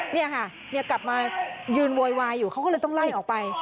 นี่ค่ะกลับมายืนโวยวายอยู่เขาก็เลยต้องไล่ออกไป